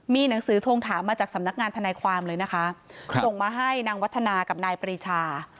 มีหนังสือทวงถามมาจากสำนักงานทนายความเลยนะคะส่งมาให้นางวัฒนากับนายปรีชา